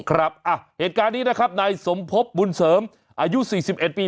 เหตุการณ์นี้นะครับนายสมพบบุญเสริมอายุ๔๑ปี